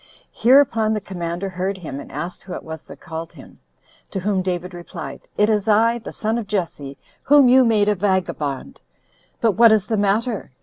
Hereupon the commander heard him, and asked who it was that called him. To whom David replied, "It is I, the son of Jesse, whom you make a vagabond. But what is the matter?